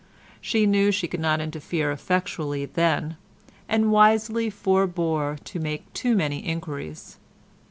She knew she could not interfere effectually then, and wisely forbore to make too many enquiries.